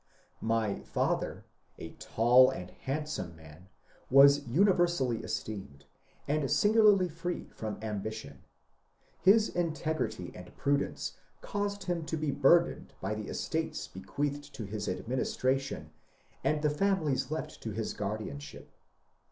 My father, a tall and handsome man, was universaUy esteemed, and singularly free from ambition. His integrity and prudence caused him to be burdened by the estates be queathed to his administration and the families left to his 16 MONCURE DANIEL CONWAY guardianship.